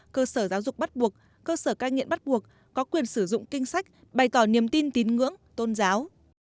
cơ sở giáo dục bắt buộc cơ sở cai nghiện bắt buộc có quyền sử dụng kinh sách bày tỏ niềm tin tín ngưỡng tôn giáo